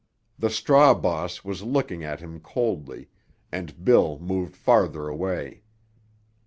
The straw boss was looking at him coldly, and Bill moved farther away.